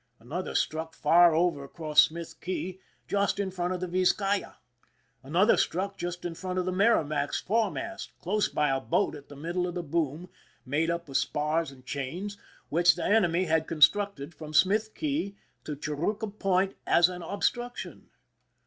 An other struck far over across Smith Cay, just in front of the Vizcaya, Another struck just in front of the Merrimac^s foremast, close by a boat at the middle of a boom made up of spars and chains, which the enemy had constructed from Smith Cay to Churruca Point as an obstruction.!